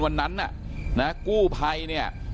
วันนั้นน่ะกู้ไภ